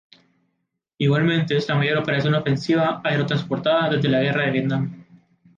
Igualmente es la mayor operación ofensiva aerotransportada desde la guerra de Vietnam.